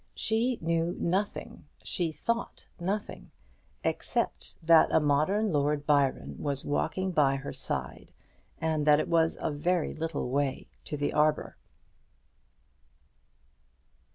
She knew nothing, she thought nothing; except that a modern Lord Byron was walking by her side, and that it was a very little way to the arbour.